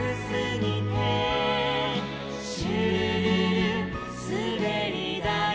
「シュルルルすべりだい」